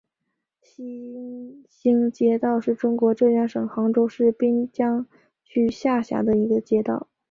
西兴街道是中国浙江省杭州市滨江区下辖的一个街道。